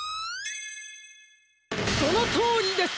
そのとおりです！